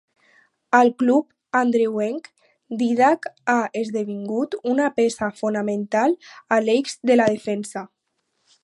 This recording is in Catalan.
Al club andreuenc, Dídac ha esdevingut una peça fonamental a l'eix de la defensa.